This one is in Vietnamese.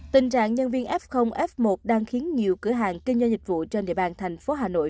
tình trạng nhân viên f f một đang khiến nhiều cửa hàng kinh doanh dịch vụ trên địa bàn thành phố hà nội